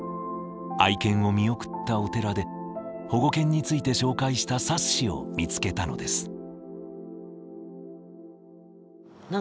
愛犬を見送ったお寺で保護犬について紹介した冊子を見つけたのです。